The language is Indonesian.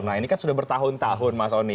nah ini kan sudah bertahun tahun mas oni